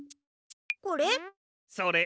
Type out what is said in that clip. これ？